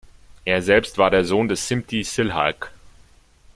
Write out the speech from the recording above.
Er selbst war der Sohn des Simti-Silhak.